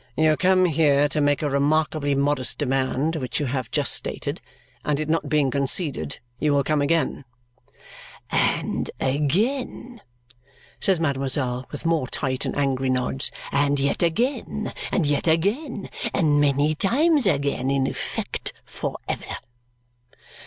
"You come here to make a remarkably modest demand, which you have just stated, and it not being conceded, you will come again." "And again," says mademoiselle with more tight and angry nods. "And yet again. And yet again. And many times again. In effect, for ever!"